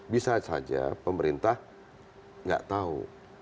bisa saja pemerintah nggak tahu